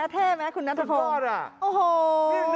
เท่ไหมคุณนัทภพงศ์